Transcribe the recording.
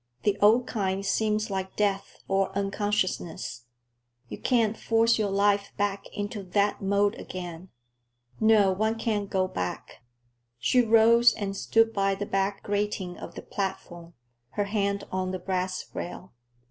The old kind seems like death or unconsciousness. You can't force your life back into that mould again. No, one can't go back." She rose and stood by the back grating of the platform, her hand on the brass rail.